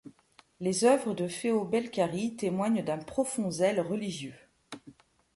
Les œuvres de Feo Belcari témoignent d'un profond zèle religieux.